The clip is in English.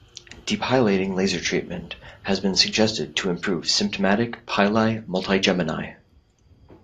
Depilating laser treatment has been suggested to improve symptomatic pili multigemini.